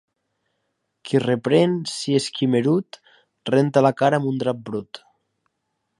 Qui reprèn, si és quimerut, renta la cara amb un drap brut.